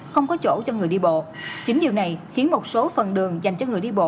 không có chỗ cho người đi bộ chính điều này khiến một số phần đường dành cho người đi bộ